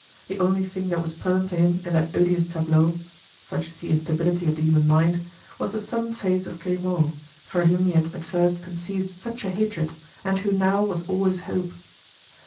The only thing that was pleasant to him in that odious tableau—such is the instability of the human mind—was the sullen face of Grimaud, for whom he had at first conceived such a hatred and who now was all his hope.